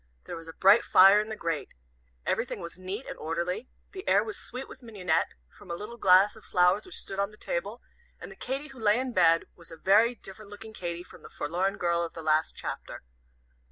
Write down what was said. There was a bright fire in the grate. Everything was neat and orderly, the air was sweet with mignonette, from a little glass of flowers which stood on the table, and the Katy who lay in bed, was a very different looking Katy from the forlorn girl of the last chapter.